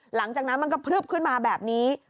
หลังจากนั้นมันก็พลึบขึ้นมาแบบนี้